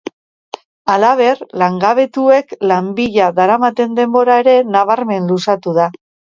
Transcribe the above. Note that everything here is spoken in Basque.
Halaber, langabetuek lan bila daramaten denbora ere nabarmen luzatu da.